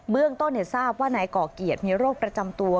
เรื่องต้นทราบว่านายก่อเกียรติมีโรคประจำตัว